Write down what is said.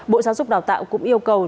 bộ giáo dục đào tạo cũng yêu cầu